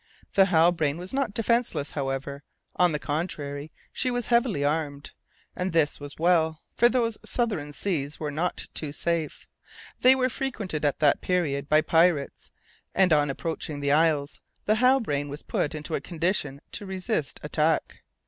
The Halbrane was not defenceless, however; on the contrary, she was heavily armed, and this was well, for those southern seas were not too safe; they were frequented at that period by pirates, and on approaching the isles the Halbrane was put into a condition to resist attack.